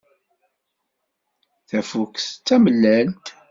Tafukt d tamellalt.